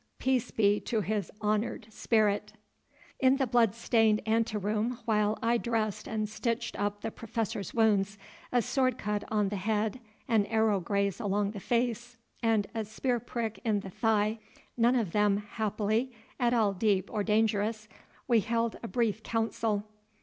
Peace be to his honoured spirit! In the blood stained ante room, while I dressed and stitched up the Professor's wounds, a sword cut on the head, an arrow graze along the face, and a spear prick in the thigh, none of them happily at all deep or dangerous, we held a brief council.